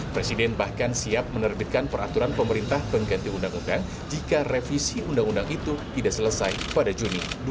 presiden bahkan siap menerbitkan peraturan pemerintah pengganti undang undang jika revisi undang undang itu tidak selesai pada juni dua ribu dua puluh